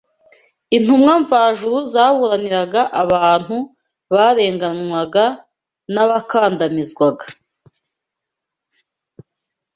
intumwa mvajuru zaburaniraga abantu barenganywaga n’abakandamizwaga